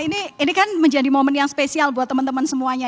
ini kan menjadi momen yang spesial buat teman teman semuanya